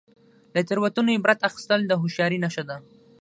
• له تیروتنو عبرت اخیستل د هوښیارۍ نښه ده.